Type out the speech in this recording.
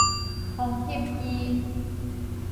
空翕機